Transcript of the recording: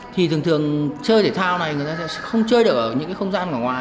thì thường thường chơi thể thao này người ta sẽ không chơi được ở những cái không gian ở ngoài